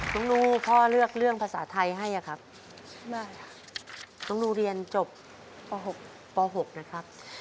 น้องลูกพ่อเลือกภาสาธัยให้นะครับนะครับน้องลูกเรียนจบพนนนะครับ